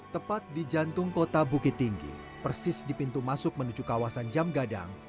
tepat di jantung kota bukit tinggi persis di pintu masuk menuju kawasan jam gadang